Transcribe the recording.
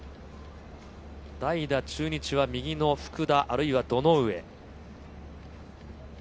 代打、中日は右の福田、あるいは堂上。